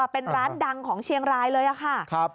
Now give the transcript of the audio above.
เป็นร้านดังของเชียงรายเลยค่ะ